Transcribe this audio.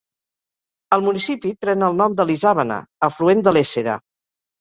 El municipi pren el nom de l'Isàvena, afluent de l'Éssera.